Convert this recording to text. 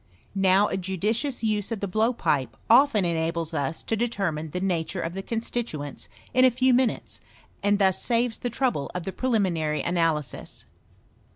Now a judicious use of the blowpipe often enables us to determine the nature of the constituents in a few minutes, and thus saves the trouble of the prelimi nary analysis.